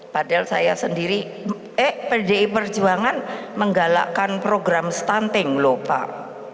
padahal saya sendiri eh pdi perjuangan menggalakkan program stunting lho pak